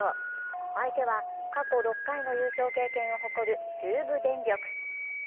相手は過去６回の優勝経験を誇る中部電力。